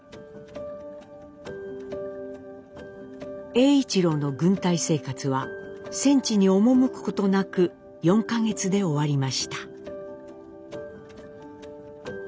栄一郎の軍隊生活は戦地に赴くことなく４か月で終わりました。